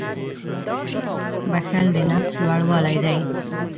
• بښل د نفس لوړوالی دی.